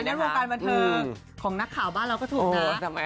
อันนั้นโรงการบันเทอร์ของนักข่าวบ้านเราก็ถูกนะ